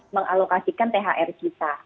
mengalokasikan thr kita